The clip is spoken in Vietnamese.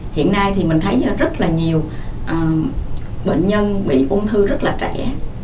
hiện nay mình thấy rất nhiều bệnh nhân bị ung thư rất trẻ